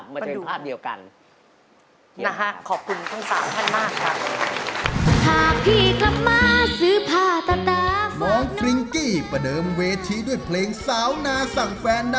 มาดูภาพเดียวกัน